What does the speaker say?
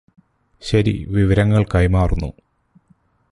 ശരി വിവരങ്ങള് കൈമാറുന്നു